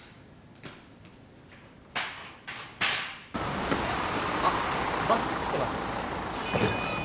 あっバス来てますよ。